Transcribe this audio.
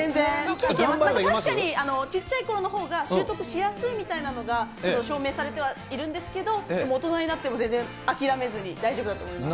確かにちっちゃいころのほうが習得しやすいみたいなのが証明されてはいるんですけど、大人になっても全然諦めずに、大丈夫だと思います。